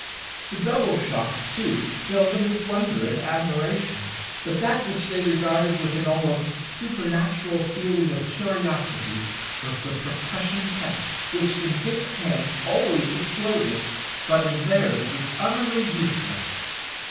The double shot, too, filled them with wonder and admiration; but that which they regarded with an almost supernatural feeling of curiosity was the percussion cap, which, in Dick's hands, always exploded, but in theirs was utterly useless!